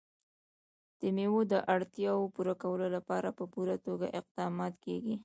د مېوو د اړتیاوو پوره کولو لپاره په پوره توګه اقدامات کېږي.